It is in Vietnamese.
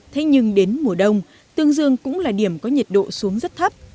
thế nhưng đến mùa đông tương dương cũng là điểm có nhiệt độ xuống rất thấp